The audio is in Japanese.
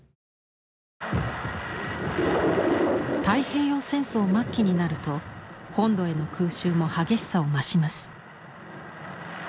太平洋戦争末期になると本土への空襲も激しさを増します。